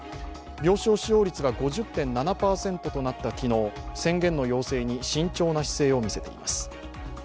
病床使用率が５０．７％となった昨日、宣言の要請に慎重な姿勢を見せています。